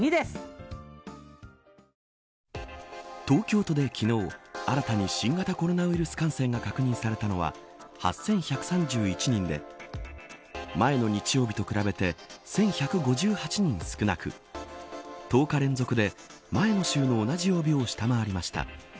東京都で昨日新たに新型コロナウイルス感染が確認されたのは８１３１人で前の日曜日と比べて１１５８人少なく１０日連続で前の週の同じ曜日を下回りました。